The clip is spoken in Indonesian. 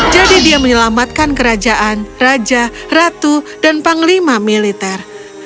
jadi dia menyelamatkan kerajaan raja ratu dan panglima militer